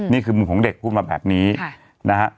นี่คือมุมของเด็กพูดมาแบบนี้นะฮะ